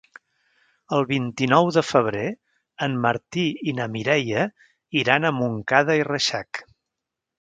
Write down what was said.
El vint-i-nou de febrer en Martí i na Mireia iran a Montcada i Reixac.